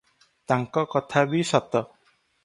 ତାଙ୍କ କଥା ବି ସତ ।